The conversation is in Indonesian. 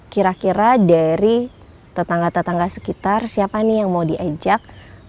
kira kira dari tetangga tetangga sekitar siapa nih yang mau diajak